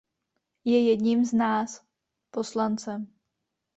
Je jedním z nás, poslancem.